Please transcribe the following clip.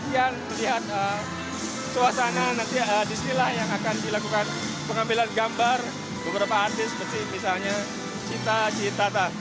yang melihat suasana nanti disinilah yang akan dilakukan pengambilan gambar beberapa artis seperti misalnya cita citata